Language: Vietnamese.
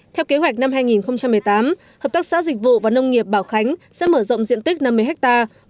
theo kế hoạch năm hai nghìn một mươi tám hợp tác xã dịch vụ và nông nghiệp bảo khánh sẽ mở rộng diện tích năm mươi hectare